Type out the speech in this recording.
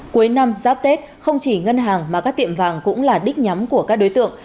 cuối năm giáp tết không chỉ ngân hàng mà các tiệm vàng cũng là đích nhắm của các đối tượng